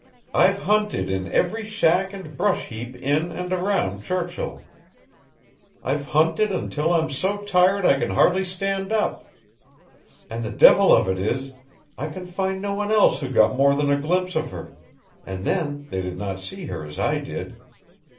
I've hunted in every shack and brush heap in and around Churchill. I've hunted until I'm so tired I can hardly stand up. And the devil of it is, I can find no one else who got more than a glimpse of her, and then they did not see her as I did.